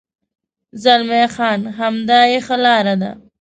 زلمی خان: همدا یې ښه لار ده.